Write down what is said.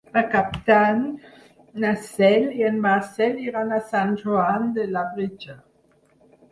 Per Cap d'Any na Cel i en Marcel iran a Sant Joan de Labritja.